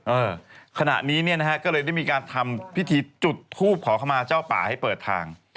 เออขณะนี้เนี่ยนะฮะก็เลยได้มีการทำพิธีจุดทูปขอเข้ามาเจ้าป่าให้เปิดทาง